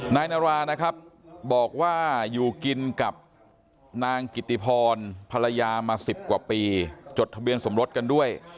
นายนารานะครับบอกว่าอยู่กินกับนางกิติพรภรรยามา๑๐กว่าปีจดทะเบียนสมรสกันด้วย